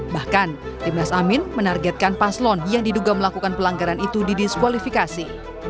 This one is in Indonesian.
bahkan timnas amin menargetkan paslon yang diduga melakukan pelanggaran itu didiskualifikasi